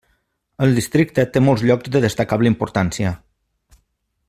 El districte té molts llocs de destacable importància.